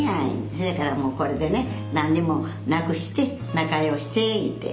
せやからもうこれでね何にもなくして仲良うして言うて。